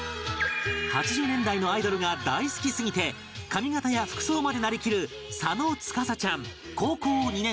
８０年代のアイドルが大好きすぎて髪形や服装までなりきる佐野月咲ちゃん高校２年生